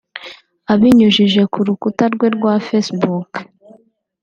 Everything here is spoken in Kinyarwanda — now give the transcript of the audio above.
Abinyujije ku rukuta rwe rwa Faccebook